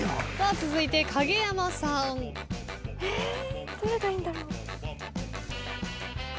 続いて影山さん。え！？どれがいいんだろう。